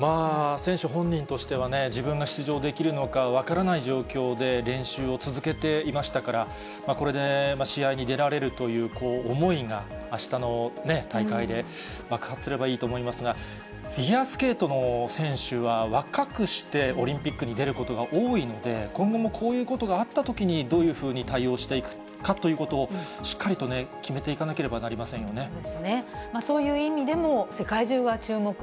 選手本人としては、自分が出場できるのか分からない状況で練習を続けていましたから、これで試合に出られるという思いが、あしたのね、大会で爆発すればいいと思いますが、フィギュアスケートの選手は、若くしてオリンピックに出ることが多いので、今後も、こういうことがあったときに、どういうふうに対応していくかということを、しっかりと決めていかなければなりませんよね。